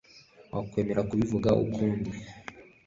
Wakwemera kubivuga ukundi